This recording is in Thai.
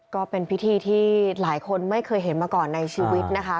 ก็เป็นพิธีที่หลายคนไม่เคยเห็นมาก่อนในชีวิตนะคะ